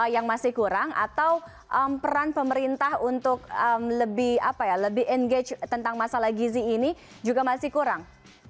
yang masih kurang atau peran pemerintah untuk lebih engage tentang masalah gizi ini juga masih kurang